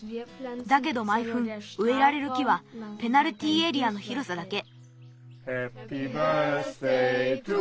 だけどまいふんうえられる木はペナルティーエリアのひろさだけ。